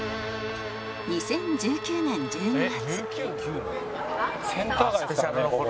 ２０１９年１２月